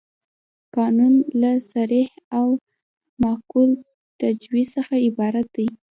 قانون له صریح او معقول تجویز څخه عبارت دی.